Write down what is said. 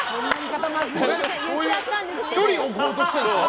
距離を置こうとしたんですか？